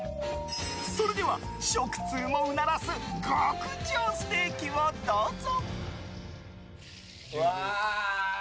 それでは、食通もうならす極上ステーキをどうぞ。